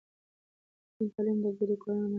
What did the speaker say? د نجونو تعليم د ګډو کارونو نظم ښه کوي.